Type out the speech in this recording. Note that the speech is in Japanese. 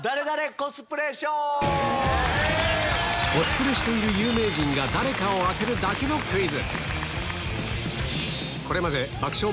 コスプレしている有名人が誰かを当てるだけのクイズ